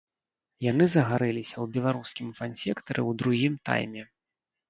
Яны загарэліся ў беларускім фан-сектары ў другім тайме.